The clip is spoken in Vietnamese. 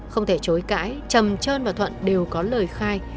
không thể chối cãi trầm trơn và thuận đều có lời khai